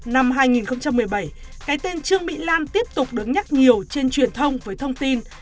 năm hai nghìn một mươi bảy cái tên trương mỹ lan tiếp tục đứng nhắc nhiều trên truyền thông với thông tin